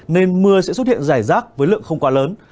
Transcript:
nên mưa sẽ xuất hiện rải rác với lượng không quá lớn